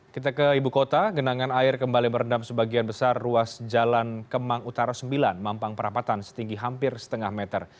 kita ke ibu kota genangan air kembali merendam sebagian besar ruas jalan kemang utara sembilan mampang perapatan setinggi hampir setengah meter